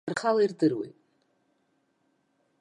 Рхала ирдыруеит.